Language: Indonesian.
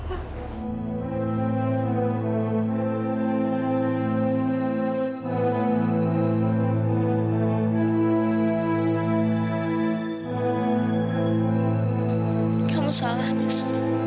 kamu salah nis